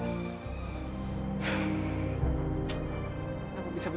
sekarang kamu hilang lagi dari hatiku